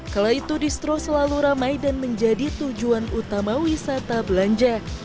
kala itu distro selalu ramai dan menjadi tujuan utama wisata belanja